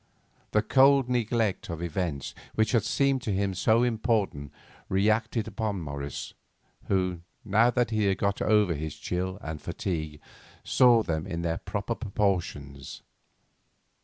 This cold neglect of events which had seemed to him so important reacted upon Morris, who, now that he had got over his chill and fatigue, saw them in their proper proportions.